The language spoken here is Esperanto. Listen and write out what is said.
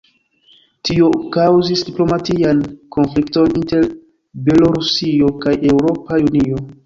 Tio kaŭzis diplomatian konflikton inter Belorusio kaj Eŭropa Unio.